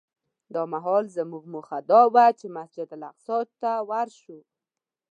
دا مهال زموږ موخه دا وه چې مسجد اقصی ته ورشو.